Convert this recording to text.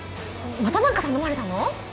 また何か頼まれたの？